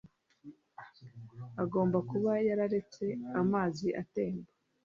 agomba kuba yararetse amazi atemba